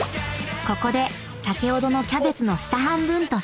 ［ここで先ほどのキャベツの下半分と再会］